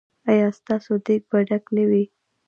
ایا ستاسو دیګ به ډک نه وي؟